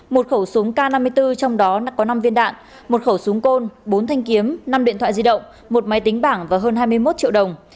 một khẩu súng k năm mươi bốn trong đó đã có năm viên đạn một khẩu súng côn bốn thanh kiếm năm điện thoại di động một máy tính bảng và hơn hai mươi một triệu đồng